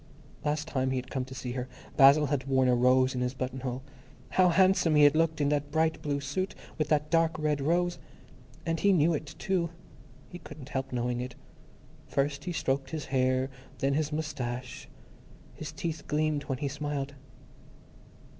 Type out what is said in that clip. _ Last time he had come to see her, Basil had worn a rose in his buttonhole. How handsome he had looked in that bright blue suit, with that dark red rose! And he knew it, too. He couldn't help knowing it. First he stroked his hair, then his moustache; his teeth gleamed when he smiled.